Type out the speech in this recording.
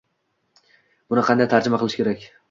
Buni qanday tarjima qilish kerak?